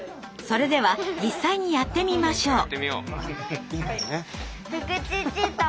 それでは実際にやってみましょう。